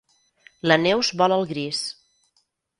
La Neus vol el gris.